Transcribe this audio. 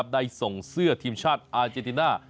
ได้ส่งเสื้อทีมชาติอาเจนติน่า